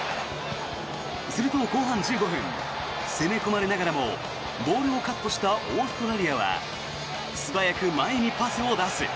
すると、後半１５分攻め込まれながらもボールをカットしたオーストラリアは素早く前にパスを出す。